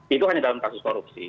itu hanya dalam kasus korupsi